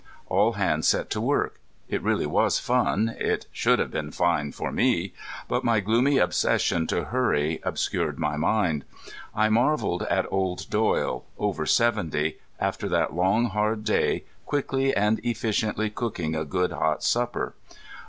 All hands set to work. It really was fun it should have been fine for me but my gloomy obsession to hurry obscured my mind. I marveled at old Doyle, over seventy, after that long, hard day, quickly and efficiently cooking a good hot supper.